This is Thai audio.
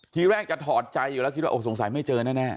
ทีแรกจะถอดใจอยู่แล้วคิดว่าสงสัยไม่เจอแน่